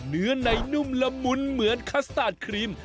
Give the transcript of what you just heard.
เนื้อในนุ่มละมุนเหมือนคัสตาร์ทครีม